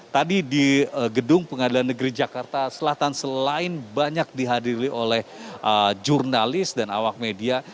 tadi di gedung pengadilan negeri jakarta selatan selain banyak dihadiri oleh jurnalis dan awak media